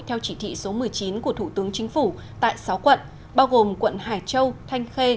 theo chỉ thị số một mươi chín của thủ tướng chính phủ tại sáu quận bao gồm quận hải châu thanh khê